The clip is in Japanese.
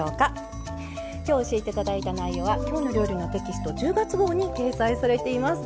今日教えて頂いた内容は「きょうの料理」のテキスト１０月号に掲載されています。